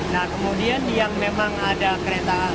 nah kemudian yang memang ada kereta